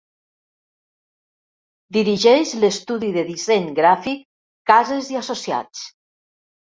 Dirigeix l'estudi de disseny gràfic Cases i associats.